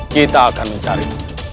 kita akan mencari